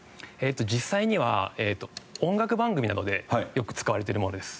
実際には音楽番組などでよく使われてるものです。